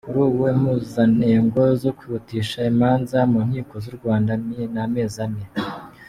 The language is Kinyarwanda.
Kuri ubu impuzanengo zo kwihutisha imanza mu nkiko z’u Rwanda ni amezi ane.